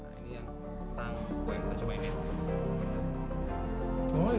nah ini yang tangku yang kita cobain ya